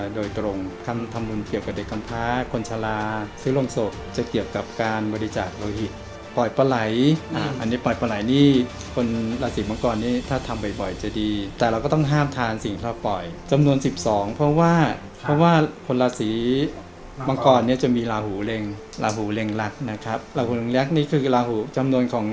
โดยตรงคำทำบุญเกี่ยวกับเด็กกำพาคนชะลาซื้อโรงศพจะเกี่ยวกับการบริจาคโลหิตปล่อยปลาไหลอันนี้ปล่อยปลาไหล่นี่คนราศีมังกรนี้ถ้าทำบ่อยจะดีแต่เราก็ต้องห้ามทานสิ่งที่เราปล่อยจำนวน๑๒เพราะว่าเพราะว่าคนราศีมังกรเนี่ยจะมีลาหูเร็งลาหูเร็งรักนะครับลาหูเล็ตนี่คือกระลาหูจำนวนของ